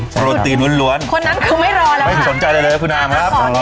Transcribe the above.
สาวโรตีนล้วนคนนั้นคือไม่รอแล้วค่ะสนใจใจเลยคุณอาหารครับ